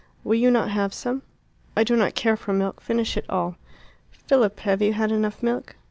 "Will you not have some?" "I do not care for milk; finish it all." "Philip, have you had enough milk?"